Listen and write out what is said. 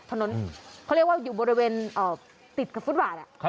ถนนเขาเรียกว่าอยู่บริเวณติดกับฟุตบาท